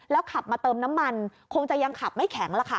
ขับมาเติมน้ำมันคงจะยังขับไม่แข็งล่ะค่ะ